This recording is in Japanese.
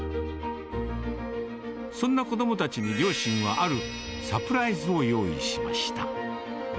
そんな子どもたちに両親は、あるサプライズを用意しました。